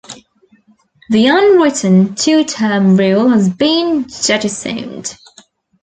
The unwritten "two term" rule has been jettisoned.